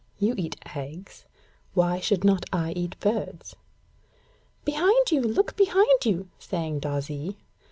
'You eat eggs. Why should not I eat birds?' 'Behind you! Look behind you!' sang Darzee.